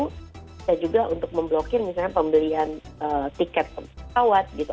bisa juga untuk memblokir misalnya pembelian tiket pesawat gitu